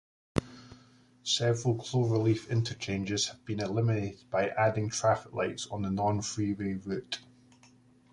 Several cloverleaf interchanges have been eliminated by adding traffic lights on the non-freeway route.